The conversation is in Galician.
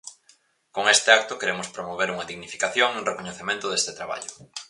Con este acto queremos promover unha dignificación e un recoñecemento deste traballo.